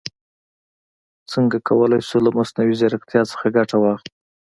څرنګه کولای شو له مصنوعي ځیرکتیا څخه ګټه واخلو؟